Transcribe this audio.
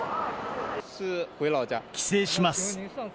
帰省します。